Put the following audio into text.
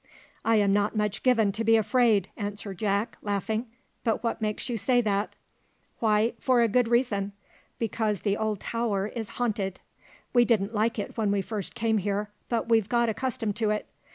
"I am not much given to be afraid," answered Jack, laughing; "but what makes you say that?" "Why, for a good reason: because the old tower is haunted. We didn't like it when we first came here, but we've got accustomed to it.